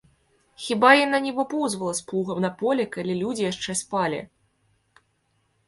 Хіба яна не выпоўзвала з плугам на поле, калі людзі яшчэ спалі?